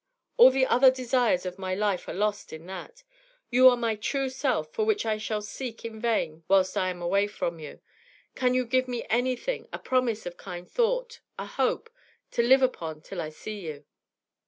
All the other desires of my life are lost in that. You are my true self, for which I shall seek in vain whilst I am away from you. Can you give me anything a promise of kind thought a hope to live upon till I see you?'